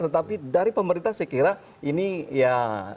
tetapi dari pemerintah saya kira ini ya